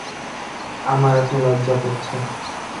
আমার এখন লজ্জা করছে।